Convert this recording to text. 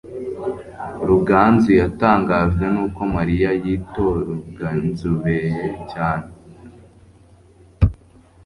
ruganzu yatangajwe nuko mariya yitoruganzubeye cyane